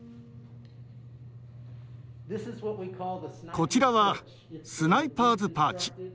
こちらはスナイパーズ・パーチ。